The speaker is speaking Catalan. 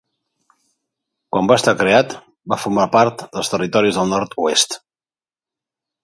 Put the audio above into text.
Quan va estar creat, va formar part dels Territoris del Nord-oest.